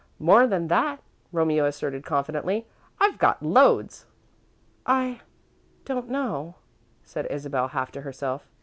"More than that," Romeo asserted, confidently. "I've got loads." "I don't know," said Isabel, half to herself.